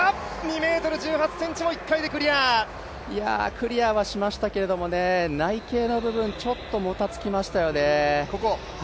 クリアはしましたけど内傾の部分、ちょっともたつきましたよね。